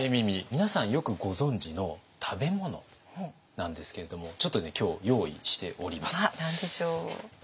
皆さんよくご存じの食べ物なんですけれどもちょっとね今日用意しております。